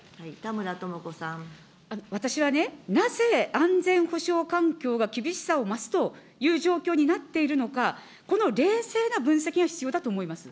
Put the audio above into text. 私はね、なぜ安全保障環境が厳しさを増すという状況になっているのか、この冷静な分析が必要だと思います。